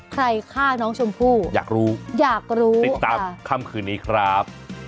ใครฆ่าน้องชมพู่อยากรู้อยากรู้ติดตามค่ำคืนนี้ครับ